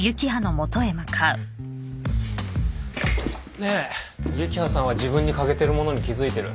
ねえ幸葉さんは自分に欠けてるものに気付いてる？